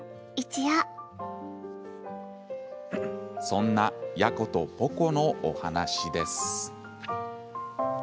そんなヤコとポコのお話です。